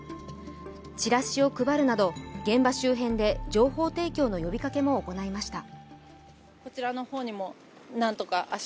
チラシを配るなど、現場周辺で情報提供の呼びかけも行いました。